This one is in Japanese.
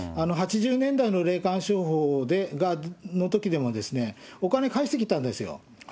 ８０年代の霊感商法のときでも、お金返してきたんですよ。